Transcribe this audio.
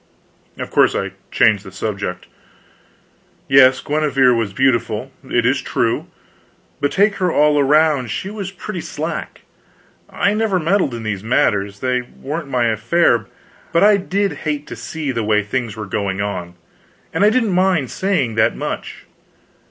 Of course, I changed the Subject. Yes, Guenever was beautiful, it is true, but take her all around she was pretty slack. I never meddled in these matters, they weren't my affair, but I did hate to see the way things were going on, and I don't mind saying that much.